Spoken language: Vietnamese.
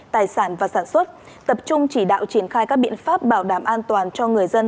tài sản và sản xuất tập trung chỉ đạo triển khai các biện pháp bảo đảm an toàn cho người dân